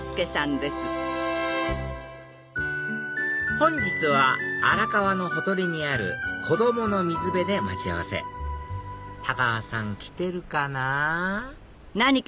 本日は荒川のほとりにある子どもの水辺で待ち合わせ太川さん来てるかな？